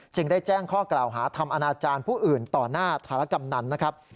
ได้แจ้งข้อกล่าวหาทำอนาจารย์ผู้อื่นต่อหน้าธารกำนันนะครับ